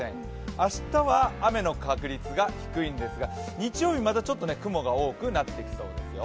明日は雨の確率が低いんですが日曜日またちょっと雲が多くなってきそうですよ。